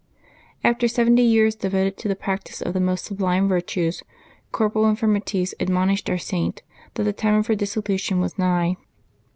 After seventy years devoted to the practice of the most sublime virtues, corporal infirmities admonished our Saint that the time of her dissolution was nigh.